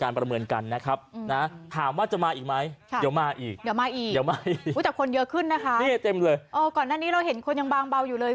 อุ้ยแต่คนเยอะขึ้นนะคะนี่เต็มเลยอ๋อก่อนหน้านี้เราเห็นคนยังบางเบาอยู่เลย